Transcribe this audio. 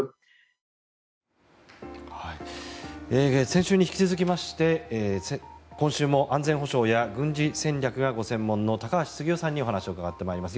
先週に引き続きまして今週も安全保障や軍事戦略がご専門の高橋杉雄さんにお話を伺ってまいります。